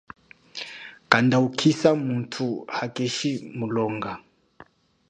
Kanda ukisa muthu hakeshi mulonga.